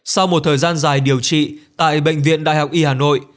sau một thời gian dài điều trị tại bệnh viện đại học y hà nội